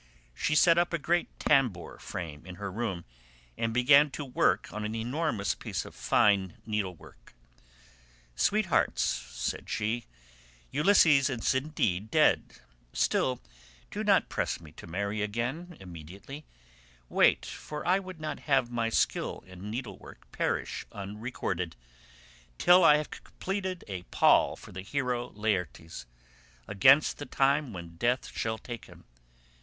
She set up a great tambour frame in her room and began to work on an enormous piece of fine needlework. 'Sweethearts,' said she, 'Ulysses is indeed dead, still, do not press me to marry again immediately; wait—for I would not have my skill in needlework perish unrecorded—till I have completed a pall for the hero Laertes, against the time when death shall take him.